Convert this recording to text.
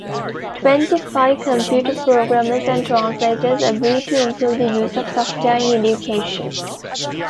Twenty-five computer programmers and translators agreed to improve the use of software in education.